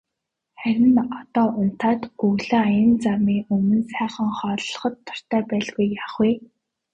Харин одоо унтаад өглөө аян замын өмнө сайхан хооллоход дуртай байлгүй яах вэ.